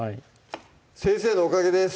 先生のおかげです！